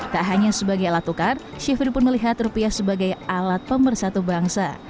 tak hanya sebagai alat tukar syiful pun melihat rupiah sebagai alat pemersatu bangsa